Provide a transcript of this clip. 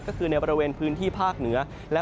ก็คือในบริเวณพื้นที่ภาคเหนือ